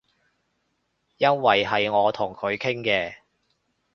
因爲係我同佢傾嘅